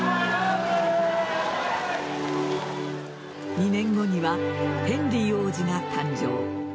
２年後にはヘンリー王子が誕生。